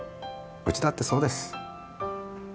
うちだってそうです。